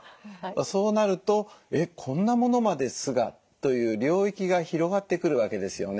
そうなると「えっこんなものまで酢が」という領域が広がってくるわけですよね。